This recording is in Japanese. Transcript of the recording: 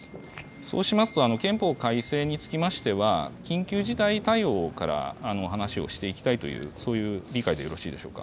そうしますと、憲法改正につきましては、緊急事態対応から話をしていきたいという、そういう理解でよろしいでしょうか。